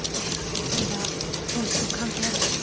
それが凍死と関係あるとしたら一体。